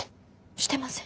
してません。